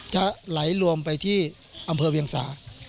จะไหลรวมไปที่อำเภอเวียงสา